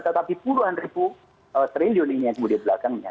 tetapi puluhan ribu triliun ini yang kemudian belakangnya